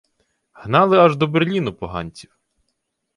Гнали аж до Берліну поганців